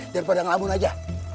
daripada ngelamun aja